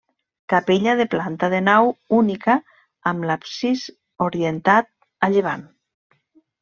Capella de planta de nau única amb l'absis orientat a llevant.